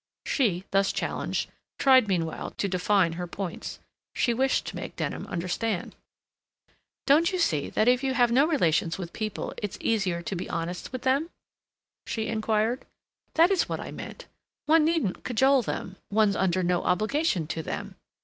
She, thus challenged, tried meanwhile to define her points. She wished to make Denham understand. "Don't you see that if you have no relations with people it's easier to be honest with them?" she inquired. "That is what I meant. One needn't cajole them; one's under no obligation to them.